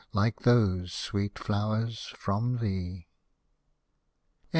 Like those sweet flowers from thee.